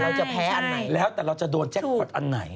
เราจะแพ้อันไหนแล้วแต่เราจะโดนแจ็คพอร์ตอันไหน